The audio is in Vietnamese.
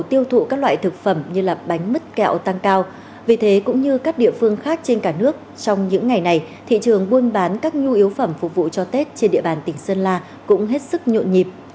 tiêu thụ các loại thực phẩm như bánh mứt kẹo tăng cao vì thế cũng như các địa phương khác trên cả nước trong những ngày này thị trường buôn bán các nhu yếu phẩm phục vụ cho tết trên địa bàn tỉnh sơn la cũng hết sức nhộn nhịp